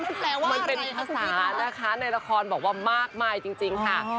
มันแสว่าอะไรครับพี่พ่อมันเป็นภาษานะคะในละครบอกว่ามากมายจริงค่ะ